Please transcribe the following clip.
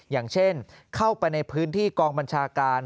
อย่างเช่นเข้าไปในพื้นที่กองบัญชาการ